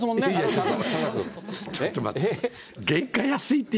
ちょっと待って。